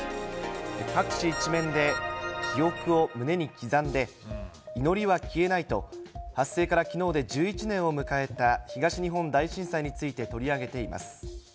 各紙１面で記憶を胸に刻んで、祈りは消えないと、発生からきのうで１１年を迎えた東日本大震災について取り上げています。